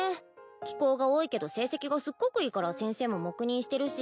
奇行が多いけど成績がすっごくいいから先生も黙認してるし